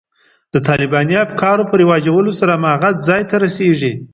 د طالباني افکارو په رواجولو سره هماغه ځای ته رسېږي.